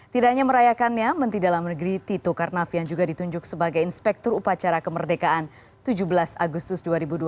tidak hanya merayakannya menteri dalam negeri tito karnavian juga ditunjuk sebagai inspektur upacara kemerdekaan tujuh belas agustus dua ribu dua puluh